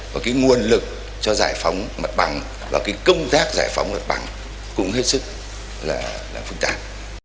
và nguồn lực cho giải phóng mặt bằng và công tác giải phóng mặt bằng cũng hết sức phức tạp